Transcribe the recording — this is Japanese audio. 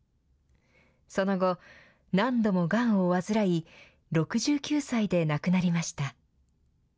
その後、何度もがんを患い６９歳で亡くなりました。